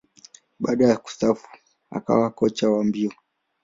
Baada ya kustaafu, akawa kocha wa mbio.